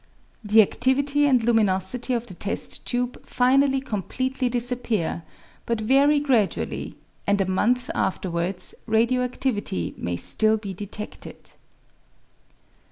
The adivity and luminosity of the test tube finally completely disappear, but very gradually, and a month afterwards radio acftivity may still be detedted.